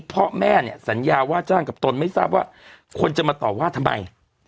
พ่อแม่เนี่ยสัญญาว่าจ้างกับตนไม่ทราบว่าคนจะมาต่อว่าทำไม